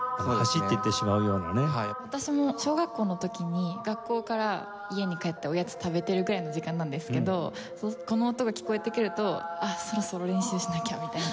私も小学校の時に学校から家に帰っておやつ食べてるくらいの時間なんですけどこの音が聞こえてくると「あっそろそろ練習しなきゃ」みたいな。